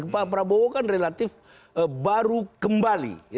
pak prabowo kan relatif baru kembali